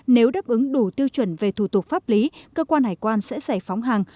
nếu đáp ứng đủ tiêu chuẩn về thủ tục pháp lý cơ quan hải quan sẽ giải phóng hàng